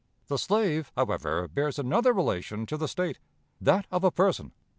The slave, however, bears another relation to the state that of a person.